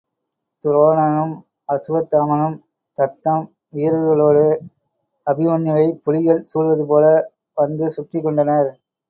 துரோணனும் அசுவத்தாமனும் தத்தம் வீரர்களோடு அபிமன்யுவைப் புலிகள் சூழ்வது போல வந்து சுற்றிக் கொண்டனர்.